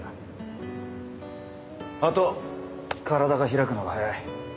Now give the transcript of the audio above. あと体が開くのが早い。